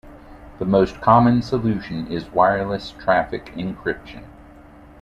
The most common solution is wireless traffic encryption.